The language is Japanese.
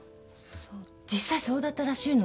実際そうだったらしいの。